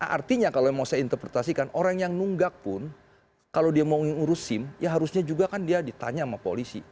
artinya kalau mau saya interpretasikan orang yang nunggak pun kalau dia mau ngurus sim ya harusnya juga kan dia ditanya sama polisi